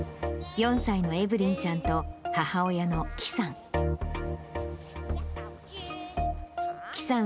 ４歳のエブリンちゃんと母親の祁さん。